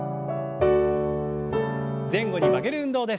前後に曲げる運動です。